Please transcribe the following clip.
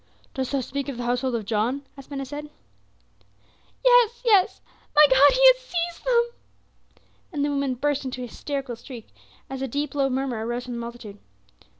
"Dost thou speak of the household of John?" asked Ben Hesed. "Yes, yes. My God, he has seized them!" and the woman burst into a hysterical shriek as a deep low murmur arose from the multitude.